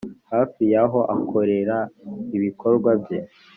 hafi y aho akorera ibikorwa bye